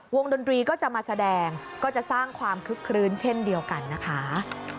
ดนตรีก็จะมาแสดงก็จะสร้างความคึกคลื้นเช่นเดียวกันนะคะ